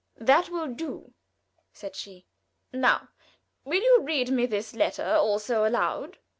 "That will do," said she. "Now, will you read this letter, also aloud?"